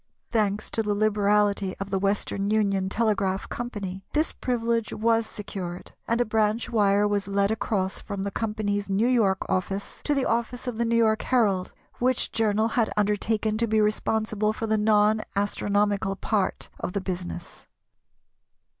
Thanks to the liberality of the Western Union Telegraph Company this privilege was secured, and a branch wire was led across from the Company's New York office to the office of the New York Herald, which journal had undertaken to be responsible for the non astronomical part of the business.